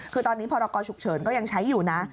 คือตอนนี้พรกรฉุกเฉินก็ยังใช้อยู่นะ